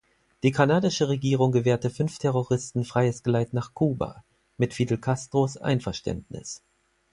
Die kanadische Regierung gewährte fünf Terroristen freies Geleit nach Kuba, mit Fidel Castros Einverständnis.